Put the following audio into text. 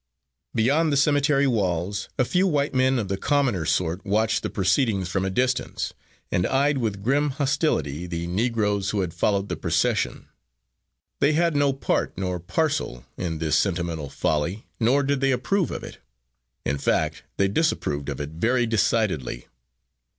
Beyond the cemetery wall, a few white men of the commoner sort watched the proceedings from a distance, and eyed with grim hostility the Negroes who had followed the procession. They had no part nor parcel in this sentimental folly, nor did they approve of it in fact they disapproved of it very decidedly.